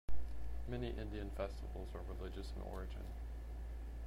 Many Indian festivals are religious in origin.